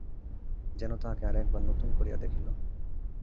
যেন তাহাকে আর-একবার নূতন করিয়া দেখিল।